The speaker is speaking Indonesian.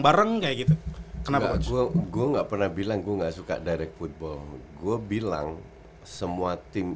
bareng kayak gitu kenapa gua nggak pernah bilang gua gak suka daireh football gua bilang semua tim